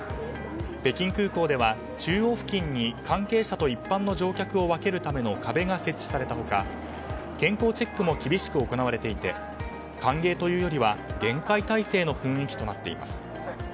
北京空港では中央付近に関係者と一般の乗客を分けるための壁が設置された他健康チェックも厳しく行われていて歓迎というよりは厳戒態勢の雰囲気となっています。